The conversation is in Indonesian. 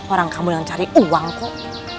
orang kamu yang cari uang kok